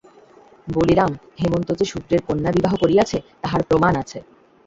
বলিলাম, হেমন্ত যে শূদ্রের কন্যা বিবাহ করিয়াছে তাহার প্রমাণ আছে।